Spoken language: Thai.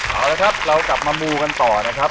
เอาละครับเรากลับมามูกันต่อนะครับ